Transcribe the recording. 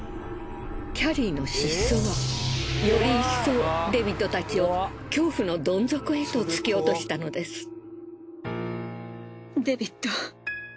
キャリーの失踪はより一層デビッドたちを恐怖のどん底へと突き落としたのです。